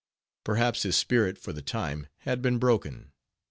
Perhaps his spirit, for the time, had been broken.